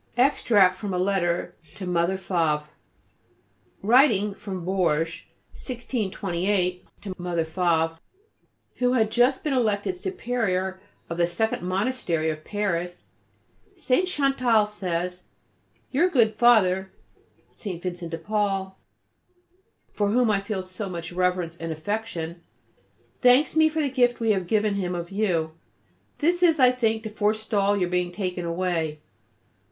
Extract from a letter to Mother Favre. Writing from Bourges, 1628, to Mother Favre, who had just been elected Superior of the Second Monastery of Paris, St. Chantal says: "Your good Father (St. Vincent de Paul), for whom I feel so much reverence and affection, thanks me for the gift we have given him of you. This is, I think, to forstall your being taken away.